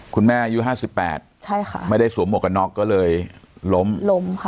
คุณแม่อายุ๕๘ใช่ค่ะไม่ได้สวมหมวกกันน็อกก็เลยล้มล้มค่ะ